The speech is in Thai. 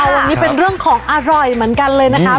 วันนี้เป็นเรื่องของอร่อยเหมือนกันเลยนะคะ